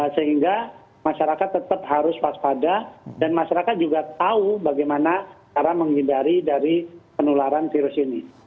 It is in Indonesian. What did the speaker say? sehingga masyarakat tetap harus waspada dan masyarakat juga tahu bagaimana cara menghindari dari penularan virus ini